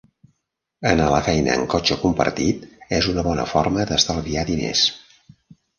Anar a la feina en cotxe compartit és una bona forma d'estalviar diners.